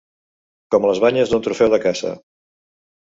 Com les banyes d'un trofeu de caça.